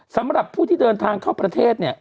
สำหรับผู้ที่เดินทางเข้าประเทศเนี่ย